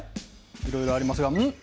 いろいろありますが、ん？